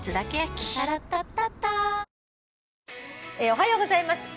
「おはようございます。